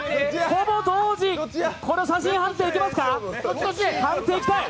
ほぼ同時、これは写真判定いけますか？